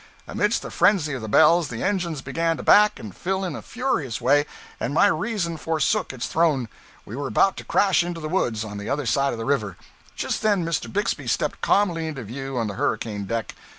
Amidst the frenzy of the bells the engines began to back and fill in a furious way, and my reason forsook its throne we were about to crash into the woods on the other side of the river. Just then Mr. Bixby stepped calmly into view on the hurricane deck.